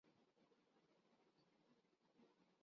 ندرے Russell نے Caribbeans Premier league کی تیز ترین سنچری داغ ڈالی